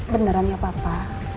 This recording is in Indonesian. beneran ya papa